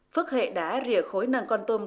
phước hệ đá rỉa khối nằm con tum gần đây